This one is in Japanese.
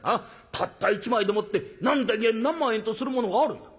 たった１枚でもって何千円何万円とするものがあるんだ」。